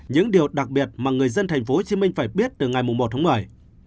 những điều đặc biệt mà người dân tp hcm phải biết từ ngày một tháng một mươi